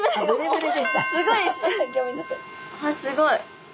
わっすごい。